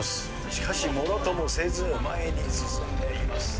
しかし、ものともせず、前に進んでいます。